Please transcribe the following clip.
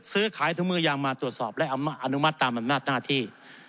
ซื้อขายถุงมือยางมาตรวจสอบและอนุมัติตามอำนาจหน้าที่